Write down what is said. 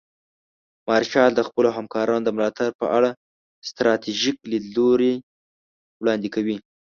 مارشال د خپلو همکارانو د ملاتړ په اړه ستراتیژیک لیدلوري وړاندې کوي.